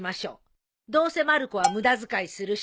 どうせまる子は無駄遣いするし。